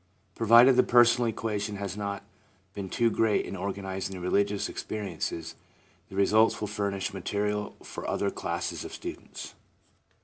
Provided the personal equation has not been too great in organising the religious ex periences, the results will furnish material for other classes of students.